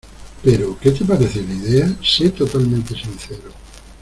Pero... ¿Qué te parece la idea? Sé totalmente sincero.